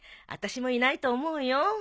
あたしもいないと思うよ。